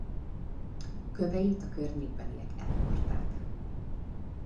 Köveit a környékbeliek elhordták.